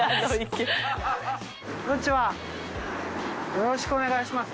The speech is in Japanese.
よろしくお願いします。